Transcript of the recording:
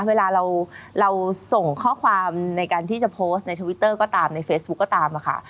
เวลาเราส่งข้อความในการที่จะโพสต์ในทวิตเตอร์ก็ตามในเฟซบุ๊คก็ตามค่ะ